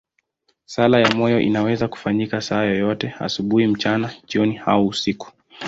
Sala ya moyo inaweza kufanyika saa yoyote, asubuhi, mchana, jioni au usiku.